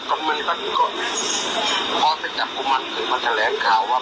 แต่หนูจะเอากับน้องเขามาแต่ว่า